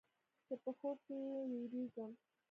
چې په خوب کې تې وېرېږم.